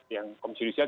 yang komisi judisial